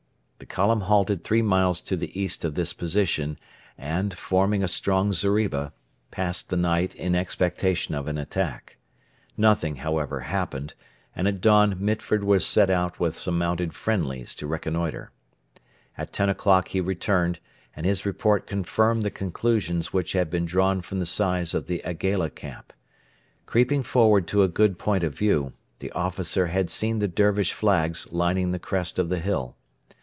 The column halted three miles to the east of this position, and, forming a strong zeriba, passed the night in expectation of an attack. Nothing, however, happened, and at dawn Mitford was sent out with some mounted 'friendlies' to reconnoitre. At ten o'clock he returned, and his report confirmed the conclusions which had been drawn from the size of the Aigaila camp. Creeping forward to a good point of view, the officer had seen the Dervish flags lining the crest of the hill.